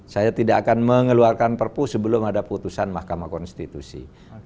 saya tidak akan mengeluarkan perpu sebelum ada putusan mahkamah konstitusi